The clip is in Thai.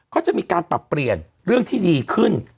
ก็จะมีการปรับเปลี่ยนเรื่องที่ดีขึ้น